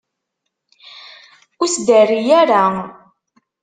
Ur as-d-terri ara.